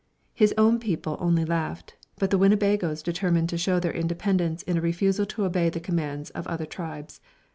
His own people only laughed, but the Winnebagoes determined to show their independence in a refusal to obey the commands of other tribes.